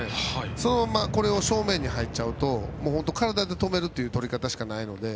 そのまま正面に入ると本当に体で止めるというとり方しかないので。